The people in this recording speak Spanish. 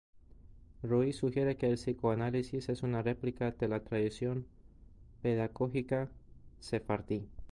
Roiz sugiere que el psicoanálisis es una replica de la tradición pedagógica sefardí.